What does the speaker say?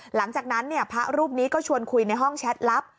หลังจากนั้นพระรูปนี้ก็ชวนคุยในห้องแชทลับ